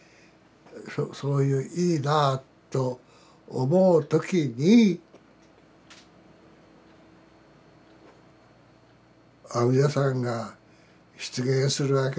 そういういいなと思う時に阿弥陀さんが出現するわけでしょう。